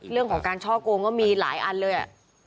เรื่องของการช่อโกงก็มีหลายอันเลย